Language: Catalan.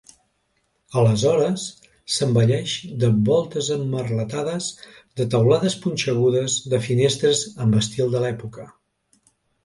Aleshores s'embelleix de voltes emmerletades, de teulades punxegudes, de finestres amb l'estil de l'època.